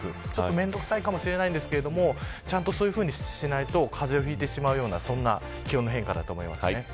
面倒くさいかもしれないけれどそういうふうにしないと風邪をひいてしまうようなそんな気温の変化だと思います。